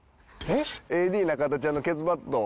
ＡＤ中田ちゃんのケツバット。